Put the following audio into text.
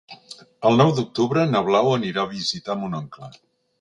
El nou d'octubre na Blau anirà a visitar mon oncle.